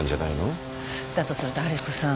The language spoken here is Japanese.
だとすると春彦さん。